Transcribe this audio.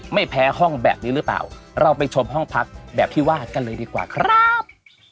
ไม่แพ้ห้องแบบนี้หรือเปล่าเราไปชมห้องพักแบบที่ว่ากันเลยดีกว่าครับ